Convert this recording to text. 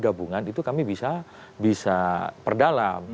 gabungan itu kami bisa perdalam